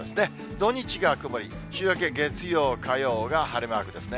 土日が曇り、週明け月曜、火曜が晴れマークですね。